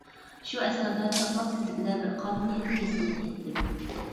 شۇ ئەسنادا چاقماق تېزلىكىدە بىر قانۇنىيەتنى ھېس قىلىپ يەتتىم.